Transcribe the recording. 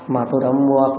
mà tôi đã mua